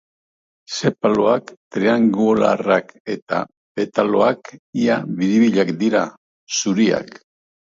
Sepaloak triangeluarrak eta petaloak ia biribilduak dira, zuriak.